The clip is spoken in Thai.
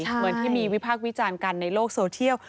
เหมือนที่มีวิพากษ์วิจารณ์กันในโลกโซเทียล